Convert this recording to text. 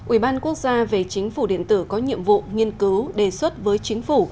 ủy ban quốc gia về chính phủ điện tử có nhiệm vụ nghiên cứu đề xuất với chính phủ